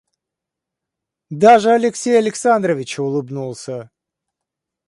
Даже Алексей Александрович улыбнулся.